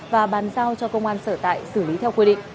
và bàn giao cho công an sở tại xử lý theo quy định